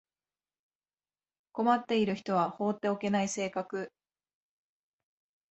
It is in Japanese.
困っている人は放っておけない性格